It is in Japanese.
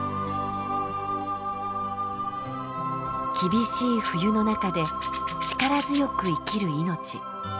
厳しい冬の中で力強く生きる命。